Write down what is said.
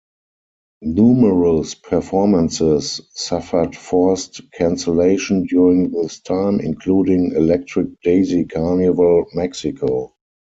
Numerous performances suffered forced cancellation during this time, including Electric Daisy Carnival Mexico.